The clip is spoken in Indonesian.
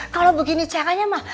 kalau begini caranya mah